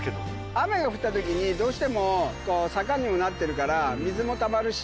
雨が降った時にどうしても坂にもなってるから水もたまるし。